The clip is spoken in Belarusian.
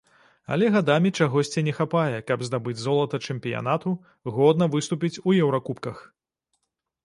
Але гадамі чагосьці не хапае, каб здабыць золата чэмпіянату, годна выступіць у еўракубках.